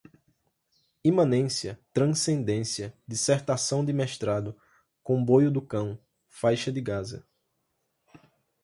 imanência, transcendência, dissertação de mestrado, comboio do cão, faixa de gaza